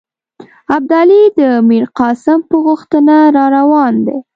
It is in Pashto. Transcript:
ابدالي د میرقاسم په غوښتنه را روان دی.